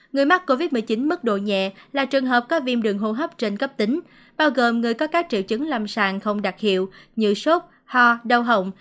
người mắc covid một mươi chín mức độ nhẹ là trường hợp có viêm đường hô hấp trên cấp tính bao gồm người có các triệu chứng lầm sàng không đặc hiệu như sốt ho đau hỏng